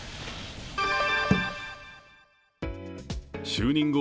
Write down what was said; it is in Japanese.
就任後